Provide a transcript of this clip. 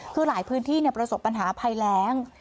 คือหลายพื้นที่ประสบปัญหาภัยแรง